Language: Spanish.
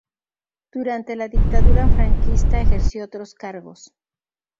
Durante la Dictadura franquista ejerció otros cargos.